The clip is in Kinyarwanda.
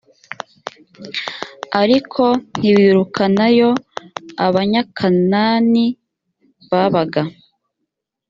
ariko ntibirukanayo abanyakan ni babaga